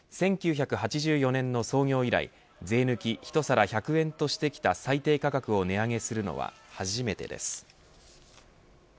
１９８０年の創業以来税抜き１皿１００円としてきた最低価格を値上げするのは初めてです。